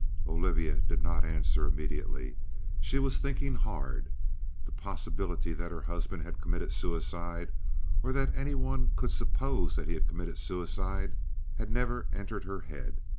Olivia did not answer immediately. She was thinking hard. The possibility that her husband had committed suicide, or that any one could suppose that he had committed suicide, had never entered her head.